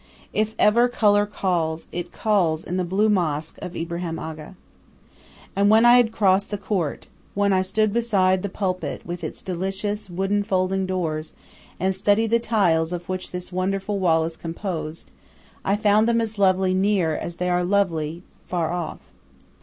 If ever color calls, it calls in the blue mosque of Ibrahim Aga. And when I had crossed the court, when I stood beside the pulpit, with its delicious, wooden folding doors, and studied the tiles of which this wonderful wall is composed, I found them as lovely near as they are lovely far off.